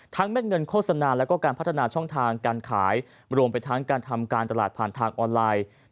เม็ดเงินโฆษณาแล้วก็การพัฒนาช่องทางการขายรวมไปทั้งการทำการตลาดผ่านทางออนไลน์